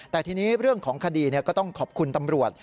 แต่ทีนี้เรื่องของคดีก็ต้องขอบคุณตำรวจ